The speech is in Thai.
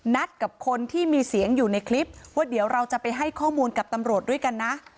นัดกับคนที่มีเสียงอยู่ในคลิปว่าเดี๋ยวเราจะไปให้ข้อมูลกับตำรวจด้วยกันนะ